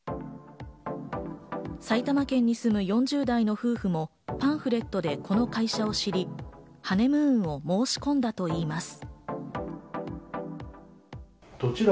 埼玉県に住む４０代の夫婦もパンフレットでこの会社を知り、ハネムーンを申し込んだといいます。